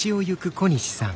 小西さん！